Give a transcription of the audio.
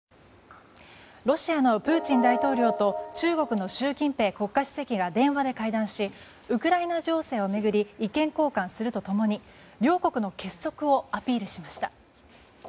ロシアのプーチン大統領と中国の習近平国家主席が電話で会談しウクライナ情勢を巡り意見交換すると共に両国の結束をアピールしました。